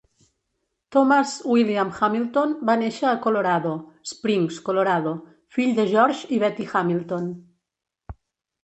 Thomas William Hamilton va néixer a Colorado Springs, Colorado, fill de George i Betty Hamilton.